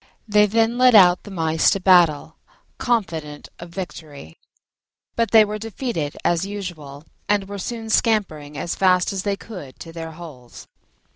They then led out the Mice to battle, confident of victory: but they were defeated as usual, and were soon scampering as fast as they could to their holes.